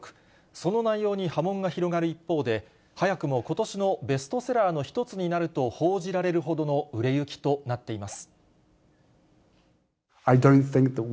その内容に波紋が広がる一方で、早くもことしのベストセラーの一つになると報じられるほどの売れ行きとなっています。